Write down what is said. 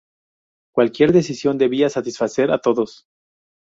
Cualquier decisión debía satisfacer a todos.